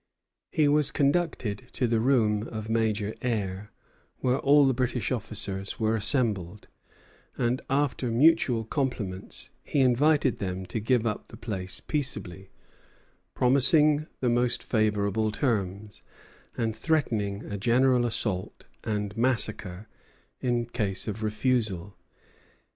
He was conducted to the room of Major Eyre, where all the British officers were assembled; and, after mutual compliments, he invited them to give up the place peaceably, promising the most favorable terms, and threatening a general assault and massacre in case of refusal.